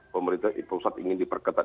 pemerintah pusat ingin diperketat